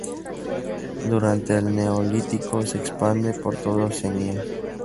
Durante el neolítico se expande por toda Oceanía.